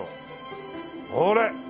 ほれ！